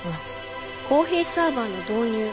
コーヒーサーバーの導入。